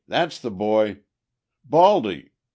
that's the boy! Baldy!